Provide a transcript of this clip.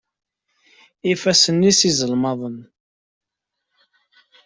Ifassen-is d iẓelmaḍen.